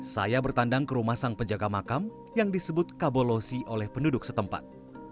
saya bertandang ke rumah sang penjaga makam yang disebut kabolosi oleh penduduk setempat